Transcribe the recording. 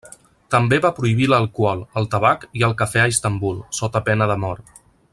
També va prohibir l'alcohol, el tabac i el cafè a Istanbul, sota pena de mort.